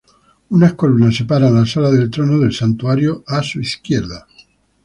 Unas columnas separan la sala del trono del santuario a la izquierda.